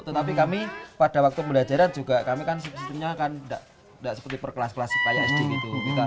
tetapi kami pada waktu pembelajaran juga kami kan sebetulnya kan tidak seperti per kelas kelas kayak sd gitu